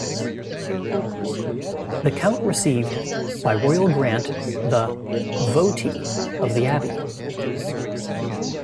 The count received by royal grant the "Vogtei" of the abbey.